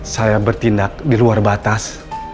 saya bertindak di luar batas